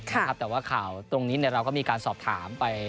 แต่ว่าข่าวตรงนี้เราก็มีการสอบถามไป